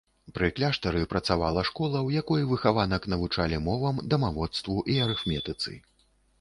Пры кляштары працавала школа, у якой выхаванак навучалі мовам, дамаводству і арыфметыцы.